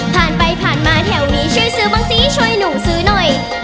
ผ่านไปผ่านมาแถวนี้ช่วยซื้อบ้างสิช่วยหนูซื้อหน่อย